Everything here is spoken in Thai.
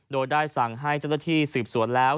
โดยได้สั่งให้เจ้าหน้าที่สืบสวนแล้ว